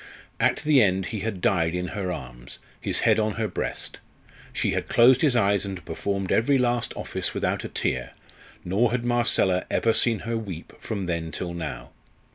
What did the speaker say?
At the end he had died in her arms, his head on her breast; she had closed his eyes and performed every last office without a tear; nor had Marcella ever seen her weep from then till now.